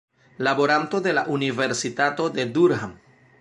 Laboranto de la Universitato de Durham.